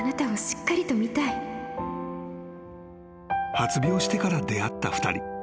［発病してから出会った２人］